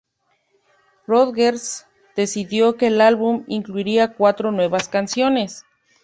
Rodgers decidió que el álbum incluiría cuatro nuevas canciones.